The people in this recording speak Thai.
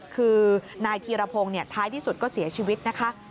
คือนายธีรพงศ์ท้ายที่สุดก็เสียชีวิตนะคะ